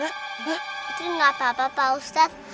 putri gak apa apa pak ustadz